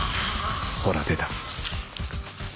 ほら出た